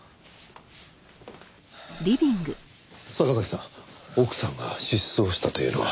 坂崎さん奥さんが失踪したというのは？